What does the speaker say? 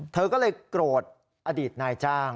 เธอก็เลยโกรธอดีตนายจ้าง